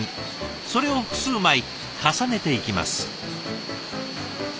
それを複数枚重ねていきます。